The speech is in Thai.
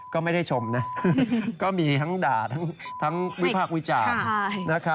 ก็ไม่ได้ชมนะก็มีทั้งด่าทั้งวิพากษ์วิจารณ์